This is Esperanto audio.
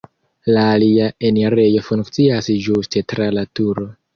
La alia enirejo funkcias ĝuste tra la turo.